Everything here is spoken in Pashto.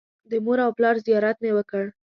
د مور او پلار زیارت مې وکړ.